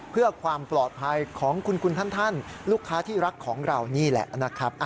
เพื่อความปลอดภัยของคุณท่านลูกค้าที่รักของเรานี่แหละนะครับ